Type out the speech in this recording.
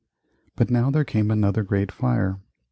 But now there came another great fire.